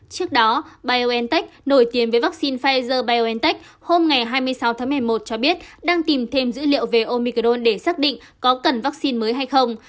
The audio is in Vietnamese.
trước đó biontech nổi tiếng với vaccine pfizer biontech hôm ngày hai mươi sáu tháng một mươi một cho biết đang tìm thêm dữ liệu về omicron để xác định có cần vaccine mới hay không